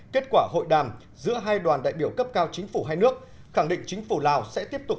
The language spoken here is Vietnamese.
kết quả hội đàm giữa hai đoàn đại biểu cấp cao chính phủ hai nước khẳng định chính phủ lào sẽ tiếp tục